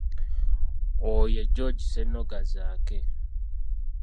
Oyo ye George Ssennoga Zaake.